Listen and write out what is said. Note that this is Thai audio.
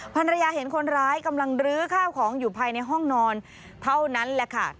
ภรรยาเห็นคนร้ายกำลังลื้อข้าวของอยู่ภายในห้องนอนเท่านั้นแหละค่ะ